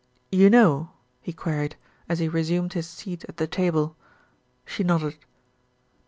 "You know?" he queried, as he resumed his seat at the table. She nodded.